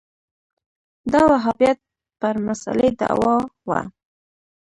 دا وهابیت پر مسألې دعوا وه